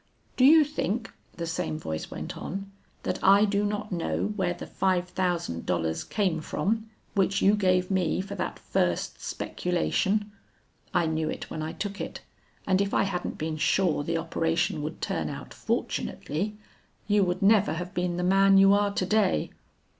'Do you think,' the same voice went on, 'that I do not know where the five thousand dollars came from which you gave me for that first speculation? I knew it when I took it, and if I hadn't been sure the operation would turn out fortunately, you would never have been the man you are to day.